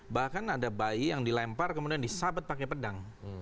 bahkan ada bayi yang dilempar kemudian disabet pakai pedang